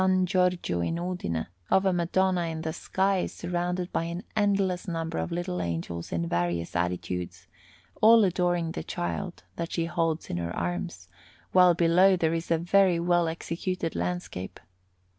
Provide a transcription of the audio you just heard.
Giorgio in Udine, of a Madonna in the sky surrounded by an endless number of little angels in various attitudes, all adoring the Child that she holds in her arms; while below there is a very well executed landscape.